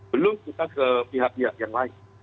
belum kita ke pihak pihak yang lain